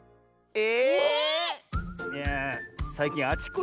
え？